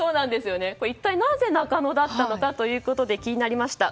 一体なぜ中野だったのかということで気になりました。